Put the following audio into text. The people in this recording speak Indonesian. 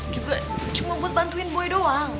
juga cuma buat bantuin buaya doang